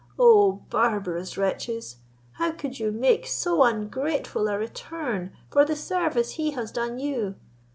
O barbarous wretches! how could you make so ungrateful a return for the service he has done you?